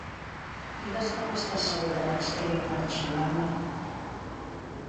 Digues que n'estàs segura abans que jo marxi, mama.